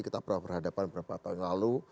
kita pernah berhadapan beberapa tahun lalu